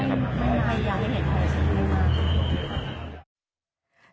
แล้วก็คู่กรณี